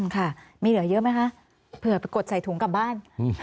ค่ะมีเหลือเยอะไหมคะเผื่อไปกดใส่ถุงกลับบ้าน